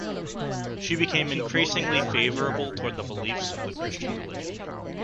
She became increasingly favorable toward the beliefs of the Christian religion.